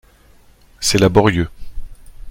C’est laborieux